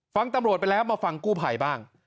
ฟังตำรวจไปแล้วมาฟังกู้ภัยบ้าง